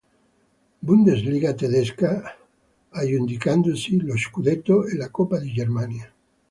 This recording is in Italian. Bundesliga tedesca, aggiudicandosi lo scudetto e la Coppa di Germania.